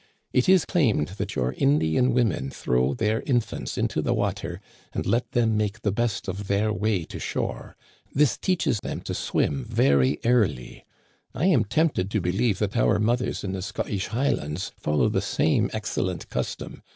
It is claimed that your Indian women throw their infants into the water and let them make the best of their way to shore ; this teaches them to swim very early, I am tempted to believe that our mothers in the Scottish Highlands follow the same excellent custom.